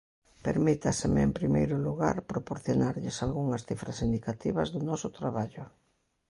Permítaseme, en primeiro lugar, proporcionarlles algunhas cifras indicativas do noso traballo.